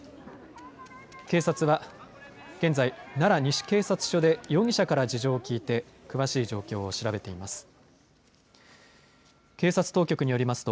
警察は現在、奈良西警察署で容疑者から事情を聞いて詳しい状況を調べています。